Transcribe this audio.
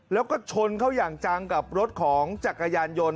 แล้วก็ชนเขาอย่างจังกับรถของจักรยานยนต์